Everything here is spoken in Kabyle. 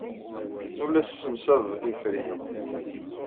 Ur la tessemsaded tiferyin.